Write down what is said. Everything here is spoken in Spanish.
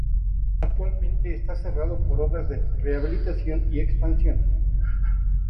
Actualmente está cerrado por obras de rehabilitación y expansión.